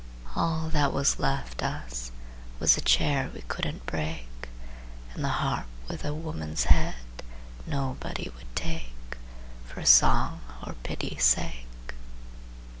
All that was left us Was a chair we couldn't break, And the harp with a woman's head Nobody would take, For song or pity's sake.